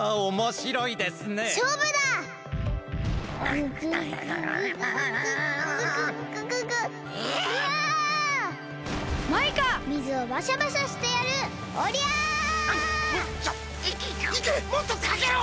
もっとかけろ！